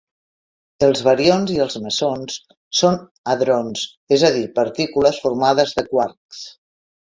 Els barions i els mesons són hadrons, és a dir partícules formades de quarks.